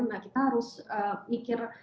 nah kita harus mikir